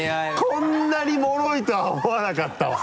こんなにもろいとは思わなかったわ。